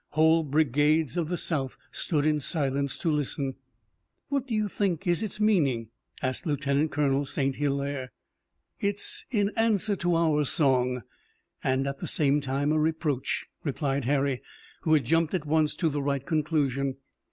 Whole brigades of the South stood in silence to listen. "What do you think is its meaning?" asked Lieutenant Colonel St. Hilaire. "It's in answer to our song and at the same time a reproach," replied Harry, who had jumped at once to the right conclusion.